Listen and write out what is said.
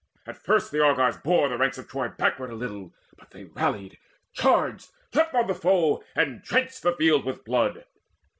At first the Argives bore the ranks of Troy Backward a little; but they rallied, charged, Leapt on the foe, and drenched the field with blood.